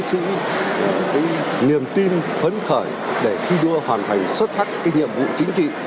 giáo dục chiến sĩ cái niềm tin phấn khởi để thi đua hoàn thành xuất sắc cái nhiệm vụ chính trị